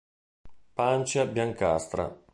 Pancia biancastra.